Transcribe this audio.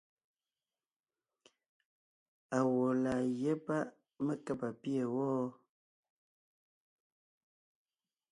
Awɔ̌ laa gyɛ́ páʼ mé kába pîɛ wɔ́?